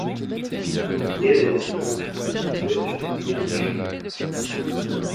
Elle et sa famille vivaient sur une péniche.